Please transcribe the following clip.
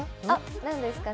何ですかね